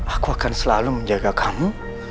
aku akan selalu menjaga kamu